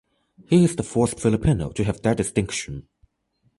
He is the fourth Filipino to have that distinction.